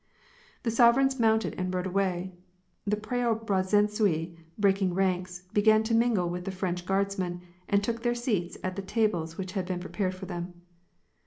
The sovereigns mounted and rode away. The Preobra ilientsui, breaking ranks, began to mingle with the French Guardsmen, and took their seats at the tables which had been prepared for them.